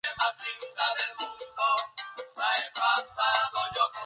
Vivió muy respetado por su pueblo, pero murió casi en la pobreza.